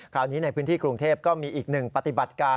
คราวนี้ในพื้นที่กรุงเทพก็มีอีกหนึ่งปฏิบัติการ